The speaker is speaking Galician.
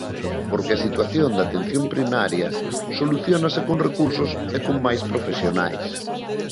Porque a situación da atención primaria soluciónase con recursos e con máis profesionais.